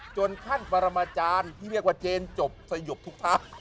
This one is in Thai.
จนขั้นปรมาจารย์ที่เรียกว่าเจนจบสยบทุกทะ